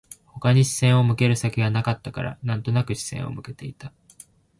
他に視線を向ける先がなかったから、なんとなく視線を向けていた